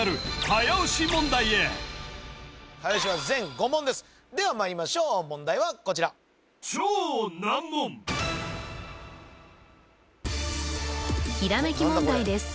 早押しは全５問ですではまいりましょう問題はこちらひらめき問題です